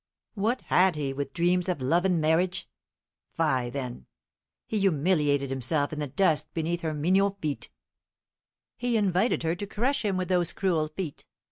What had he with dreams of love and marriage? Fie, then. He humiliated himself in the dust beneath her mignon feet. He invited her to crush him with those cruel feet.